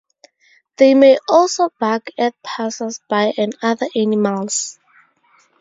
They may also bark at passers-by and other animals.